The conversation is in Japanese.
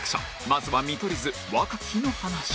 まずは見取り図若き日の話